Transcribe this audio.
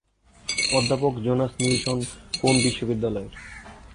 অধ্যাপক Jonas Nilsson কোন বিশ্ববিদ্যালয়ের?